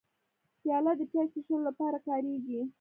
پیاله د چای څښلو لپاره کارېږي.